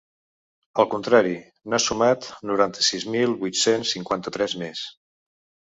Al contrari, n’ha sumat noranta-sis mil vuit-cents cinquanta-tres més.